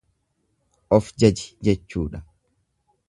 Of jaji jechuudha.